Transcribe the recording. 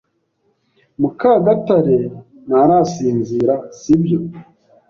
Mukagatare ntarasinzira, sibyo?